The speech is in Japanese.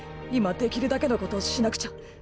今できるだけのことをしなくちゃ。